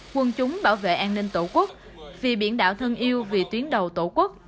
quân chúng bảo vệ an ninh tổ quốc vì biển đảo thân yêu vì tuyến đầu tổ quốc